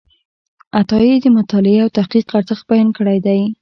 عطایي د مطالعې او تحقیق ارزښت بیان کړی دی.